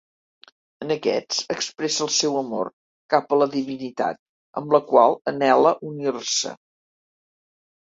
En aquests, expressa el seu amor cap a la divinitat, amb la qual anhela unir-se.